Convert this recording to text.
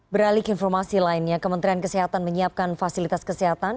beralik informasi lainnya kementerian kesehatan menyiapkan fasilitas kesehatan